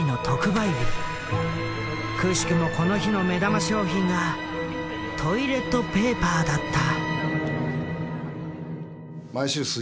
くしくもこの日の目玉商品がトイレットペーパーだった。